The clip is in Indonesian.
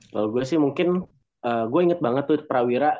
kalau gue sih mungkin gue inget banget tuh prawira